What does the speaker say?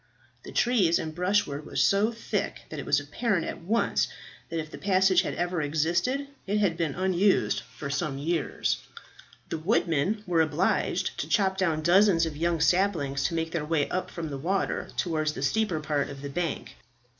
The trees and brushwood were so thick that it was apparent at once that if the passage had ever existed it had been unused for some years. The woodmen were obliged to chop down dozens of young saplings to make their way up from the water towards the steeper part of the bank.